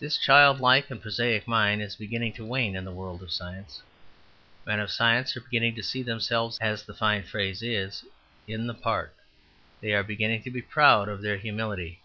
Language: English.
This childlike and prosaic mind is beginning to wane in the world of science. Men of science are beginning to see themselves, as the fine phrase is, in the part; they are beginning to be proud of their humility.